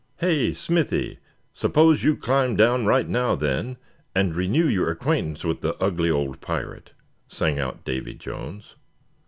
"Hey, Smithy, suppose you climb down right now then, and renew your acquaintance with the ugly old pirate!" sang out Davy Jones.